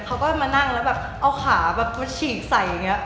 เขาก็มานั่งแล้วแบบเอาขาแบบมาฉีกใส่อย่างนี้